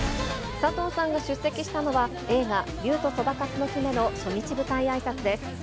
佐藤さんが出席したのは、映画、竜とそばかすの姫の初日舞台あいさつです。